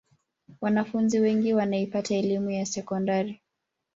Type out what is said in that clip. wanafunzi wengi wanaipata elimu ya sekondari